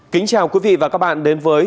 kính chào quý vị và các bạn đến với